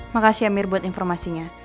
makasih ya mir buat informasinya